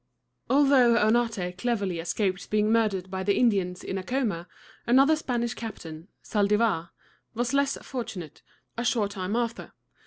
Although Oñate cleverly escaped being murdered by the Indians in Acoma, another Spanish captain, Zaldivar (thahl de´var), was less fortunate, a short time after.